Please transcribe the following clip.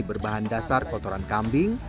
berbahan dasar kotoran kambing